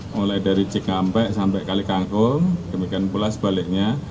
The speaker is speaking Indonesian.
mulai dari cikampek sampai kalikangkum kemudian pulas baliknya